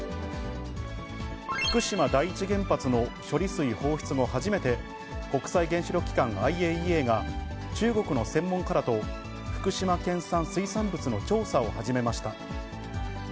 福島第一原発の処理水放出後、初めて、国際原子力機関・ＩＡＥＡが、中国の専門家らと福島県産水産物の調査を始めました。